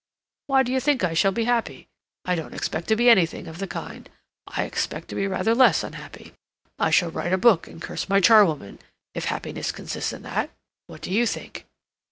"Why do you think I shall be happy? I don't expect to be anything of the kind. I expect to be rather less unhappy. I shall write a book and curse my charwoman—if happiness consists in that. What do you think?"